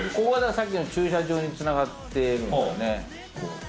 さっきの駐車場に繋がってるんですね。